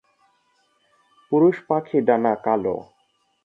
পুরুষ পাখির ডানা কালো।